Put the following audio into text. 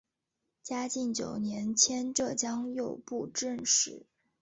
嘉靖九年迁浙江右布政使。